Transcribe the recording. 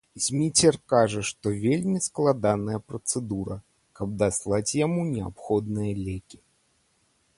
Зміцер кажа, што вельмі складаная працэдура, каб даслаць яму неабходныя лекі.